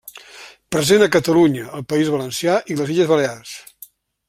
Present a Catalunya, el País Valencià i les Illes Balears.